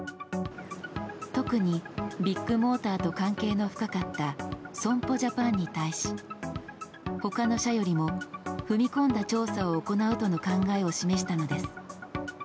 特にビッグモーターと関係の深かった損保ジャパンに対し他の社よりも踏み込んだ調査を行うとの考えを示したのです。